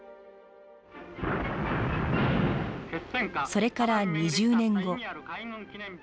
それから２０年後。